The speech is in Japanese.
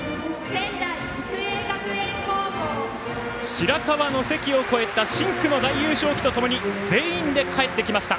白河の関を越えた深紅の大優勝旗とともに全員で帰ってきました。